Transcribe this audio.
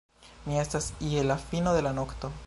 Mi estas je la fino de la nokto.